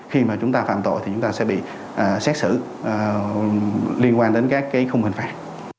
khi mà chúng ta phạm tội thì chúng ta sẽ bị xét xử liên quan đến các cái khung hình phạt